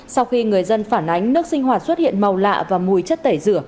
sau khi người dân phản ánh nước sinh hoạt xuất hiện màu lạ và mùi chất tẩy rửa